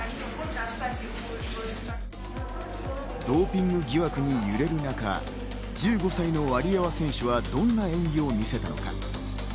ドーピング疑惑に揺れる中、１５歳のワリエワ選手はどんな演技を見せたのか。